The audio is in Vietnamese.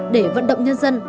để vận động nhân dân